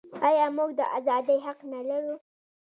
آیا موږ د ازادۍ حق نلرو؟